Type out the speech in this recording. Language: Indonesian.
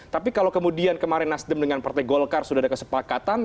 tapi kalau kemudian kemarin nasdem dengan partai golkar sudah ada kesepakatan